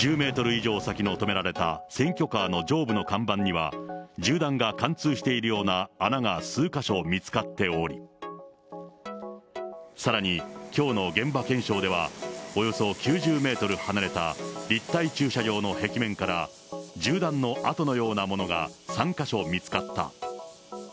以上先に止められた選挙カーの上部の看板には、銃弾が貫通しているような穴が数か所見つかっており、さらに、きょうの現場検証では、およそ９０メートル離れた立体駐車場の壁面から、銃弾の痕のようなものが３か所見つかった。